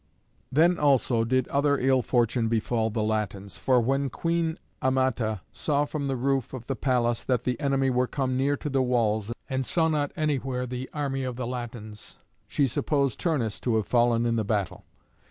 Then also did other ill fortune befall the Latins, for when Queen Amata saw from the roof of the palace that the enemy were come near to the walls, and saw not anywhere the army of the Latins, she supposed Turnus to have fallen in the battle.